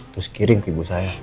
terus kirim ke ibu saya